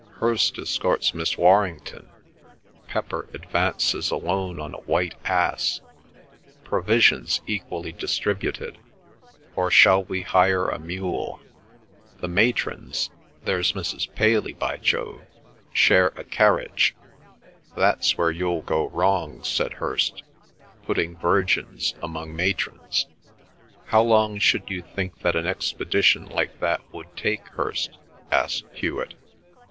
"Hirst escorts Miss Warrington; Pepper advances alone on a white ass; provisions equally distributed—or shall we hire a mule? The matrons—there's Mrs. Paley, by Jove!—share a carriage." "That's where you'll go wrong," said Hirst. "Putting virgins among matrons." "How long should you think that an expedition like that would take, Hirst?" asked Hewet.